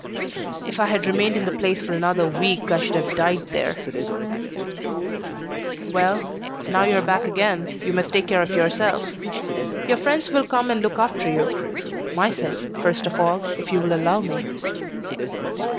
"If I had remained in the place for another week, I should have died there." "Well, now you are back again, you must take care of yourself; your friends will come and look after you; myself, first of all, if you will allow me."